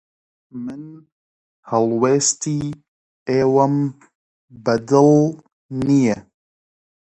من هەڵوێستی ئێوەم بەدڵ نییە.